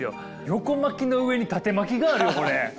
横巻きの上に縦巻きがあるよこれ。